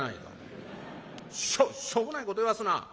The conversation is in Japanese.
しょしょうもないこと言わすな。